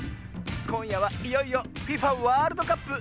こんやはいよいよＦＩＦＡワールドカップ